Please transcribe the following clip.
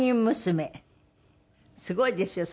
すごいですよ。